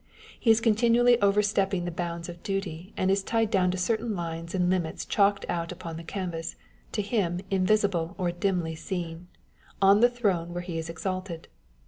He is continually overstepping the bounds of duty, and is tied down to certain lines and limits chalked out upon the canvas, to him " invisible or dimly seen " on the throne where he is exalted.